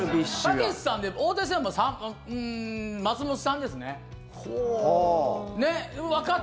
たけしさんで大谷さんは松本さんですね。